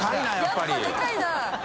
やっぱでかいな。